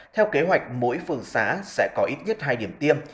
theo kế hoạch mỗi phường xã sẽ có ít nhất hai điểm tiêm